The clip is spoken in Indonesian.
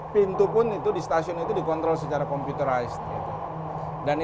pintu pun di stasiun itu dikontrol secara komputerized